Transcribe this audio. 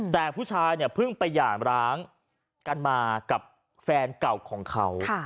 แต่ผู้ชายเนี่ยเพิ่งไปหย่ามร้างกันมากับแฟนเก่าของเขา